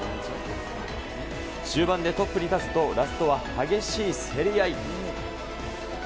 中盤でトップに立つと、ラストは激しい競り合い。